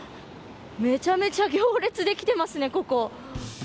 めちゃめちゃ行列できてますね、ここ。